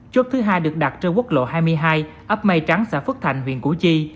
chốt thứ hai được đặt trên quốc lộ hai mươi hai ấp mây trắng xã phước thạnh huyện củ chi